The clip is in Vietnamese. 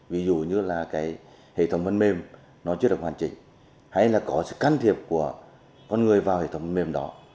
ví dụ như là cái hệ thống phần mềm nó chưa được hoàn chỉnh hay là có sự can thiệp của con người vào hệ thống mềm đó